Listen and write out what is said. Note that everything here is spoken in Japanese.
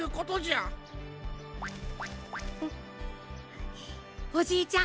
んおじいちゃん